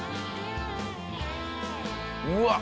うわっ！